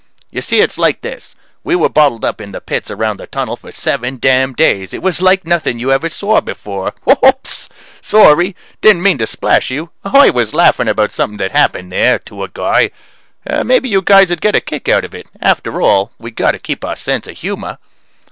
You see, it's like this: we were bottled up in the pits around the Tunnel for seven damn days. It was like nothing you ever saw before. Oops sorry. Didn't mean to splash you. I was laughing about something that happened there to a guy. Maybe you guys would get a kick out of it. After all, we got to keep our sense of humor.